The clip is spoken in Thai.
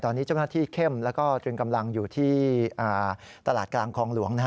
ตอนนี้เจ้าหน้าที่เข้มแล้วก็ตรึงกำลังอยู่ที่ตลาดกลางคลองหลวง